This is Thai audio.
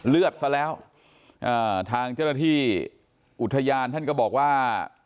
เลือดซะแล้วอ่าทางเจ้าหน้าที่อุทยานท่านก็บอกว่า